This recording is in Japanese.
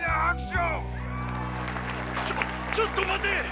ちょちょっと待て！